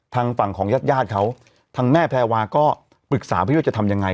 ทางฝั่งของญาติญาติเขาทางแม่แพรวาก็ปรึกษาพี่ว่าจะทำยังไง